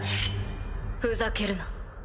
ふざけるな。